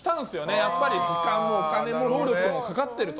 やっぱり時間もお金も労力もかかってると。